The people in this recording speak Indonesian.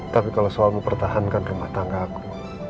tapi kalau soal mempertahankan rumah tangga aku